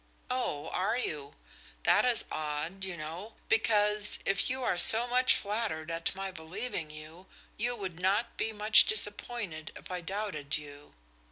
"Oh, are you? That is odd, you know, because if you are so much flattered at my believing you, you would not be much disappointed if I doubted you."